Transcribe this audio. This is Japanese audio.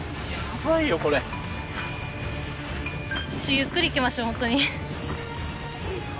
ゆっくり行きましょうホントに。